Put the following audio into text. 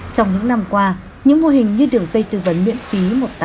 trong những năm qua những mô hình như đường dây tư vấn miễn phí